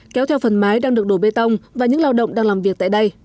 kéo theo phần mái đang được đổ bê tông và những lao động đang làm việc tại đây